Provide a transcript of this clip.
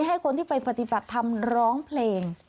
ให้คนที่ไปปฏิบัติธรรมร้องเพลง